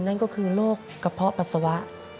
นั่นก็คือโรคกระเพาะปัสสาวะ